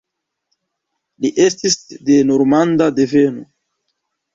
Li estis de normanda deveno.